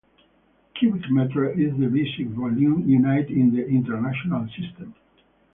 Cubic metre is the basic volume unit in the International System.